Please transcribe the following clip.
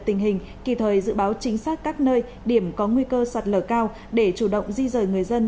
tình hình kỳ thời dự báo chính xác các nơi điểm có nguy cơ sạt lở cao để chủ động di rời người dân